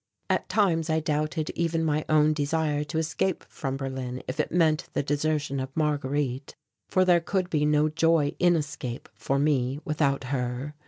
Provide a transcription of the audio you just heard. At times I doubted even my own desire to escape from Berlin if it meant the desertion of Marguerite, for there could be no joy in escape for me without her.